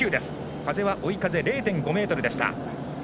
風は追い風０．５メートルでした。